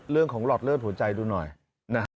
เรื่องของหลอดเลือดหัวใจดูหน่อยนะครับ